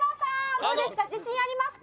どうですか？